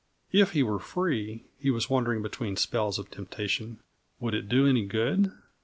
If he were free, he was wondering between spells of temptation, would it do any good?